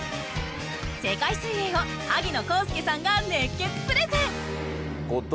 世界水泳を萩野公介さんが熱血プレゼン。